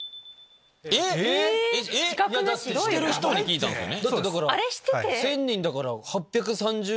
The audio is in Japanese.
えっ⁉してる人に聞いたんすよね？